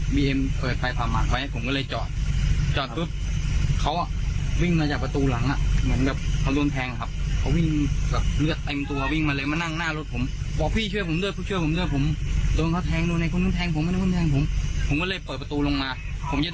บอกว่านั่นผมก็ไม่กล้าเดินไปครับพอถ้าพร้อมผมก็โทรหา๑๙๑น่ะ